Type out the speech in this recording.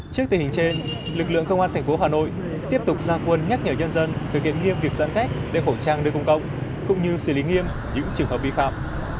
trước tình hình trên lực lượng công an thành phố hà nội tiếp tục ra quân nhắc nhở nhân dân thực hiện nghiêm việc giãn cách để khẩu trang đưa công công cũng như xử lý nghiêm những trường hợp vi phạm